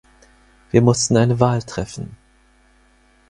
Wir mussten eine Wahl treffen.